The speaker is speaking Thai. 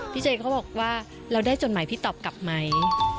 เจเขาบอกว่าเราได้จดหมายพี่ตอบกลับไหม